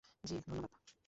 জি, ধন্যবাদ।